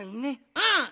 うん！